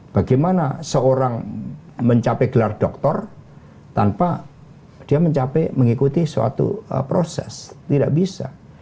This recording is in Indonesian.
bagaimana seorang mencapai gelar doktor tanpa dia mencapai mengikuti suatu proses tidak bisa